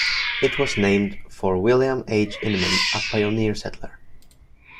It was named for William H. Inman, a pioneer settler.